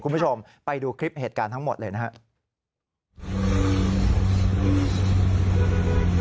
คุณผู้ชมไปดูคลิปเหตุการณ์ทั้งหมดเลยนะครับ